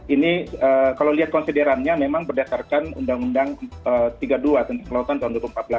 ini kalau lihat konsiderannya memang berdasarkan undang undang tiga puluh dua tentang kelautan tahun dua ribu empat belas